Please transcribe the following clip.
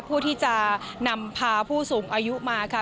ผู้ที่จะนำพาผู้สูงอายุมาค่ะ